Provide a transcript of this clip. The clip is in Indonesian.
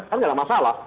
kan nggak ada masalah